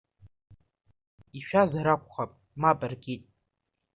Ишәазар акәхап, мап ркит…